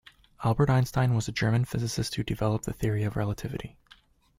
Albert Einstein was a German physicist who developed the Theory of Relativity.